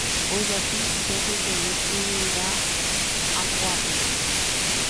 ojapi chupe peteĩ yvyra'akuápe